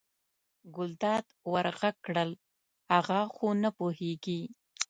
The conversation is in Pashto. ګلداد ور غږ کړل هغه خو نه پوهېږي.